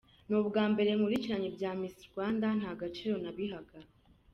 Ni ubwa mbere nkurikirana ibya Miss Rwanda nta n’agaciro nabihaga.